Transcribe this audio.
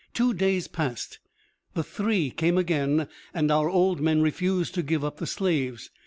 "Two days past, the three came again, and our old men refused to give up the slaves.